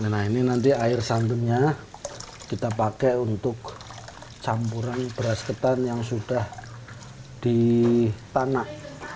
nah ini nanti air santunnya kita pakai untuk campuran beras ketan yang sudah ditanak